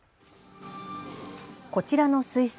こちらの水槽。